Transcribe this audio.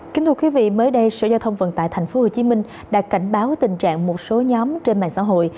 kính thưa quý vị mới đây sở giao thông vận tải tp hcm đã cảnh báo tình trạng một số nhóm trên mạng xã hội